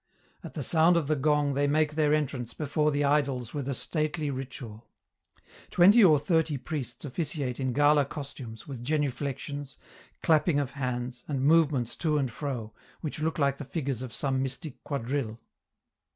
At the sound of the gong they make their entrance before the idols with a stately ritual; twenty or thirty priests officiate in gala costumes, with genuflections, clapping of hands and movements to and fro, which look like the figures of some mystic quadrille.